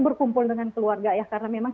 berkumpul dengan keluarga ya karena memang